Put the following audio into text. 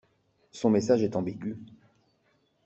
Son message est ambigu.